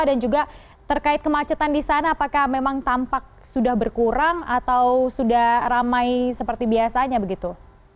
juga terkait kemacetan di sana apakah memang tampak sudah berkurang atau sudah ramai seperti biasanya begitu